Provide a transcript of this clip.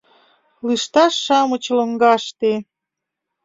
Лышташ-шамыч лоҥгаште